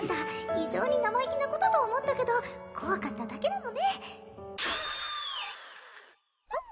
異常に生意気な子だと思ったけど怖かっただけなのねうん？